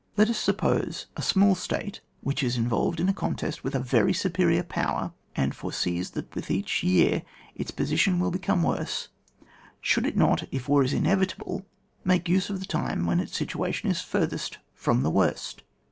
Let us suppose a small State which is involved in a contest with a very superior power, and foresees that with each year its position will become worse : should it not, if war is inevitable, make use of the time when its situation is furthest from the worst?